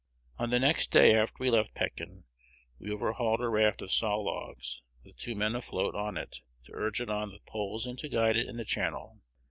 "On the next day after we left Pekin, we overhauled a raft of saw logs, with two men afloat on it to urge it on with poles and to guide it in the channel.